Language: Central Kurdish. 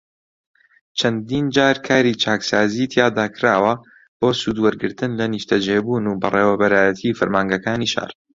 چەندین جار کاری چاکسازیی تیادا کراوە بۆ سوودوەرگرتن لە نیشتەجێبوون و بەڕێوبەرایەتیی فەرمانگەکانی شار